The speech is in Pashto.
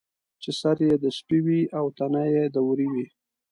چې سر یې د سپي وي او تنه یې د وري وي.